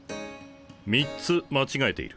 ３つ間違えている。